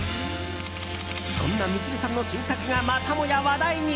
そんなミチルさんの新作がまたもや話題に。